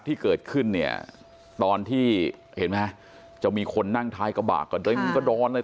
ที่เกิดขึ้นเนี่ยตอนที่เห็นไหมฮะจะมีคนนั่งท้ายกระบะก็เดินกระดอนเลย